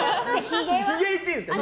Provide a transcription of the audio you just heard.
ひげいっていいですか。